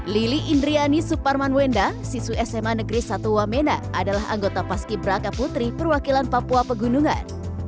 lili indriani suparman wenda sisu sma negeri satu wamena adalah anggota paski braka putri perwakilan papua pegunungan